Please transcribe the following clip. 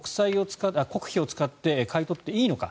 ５００億円もの国費を使って買い取っていいのか。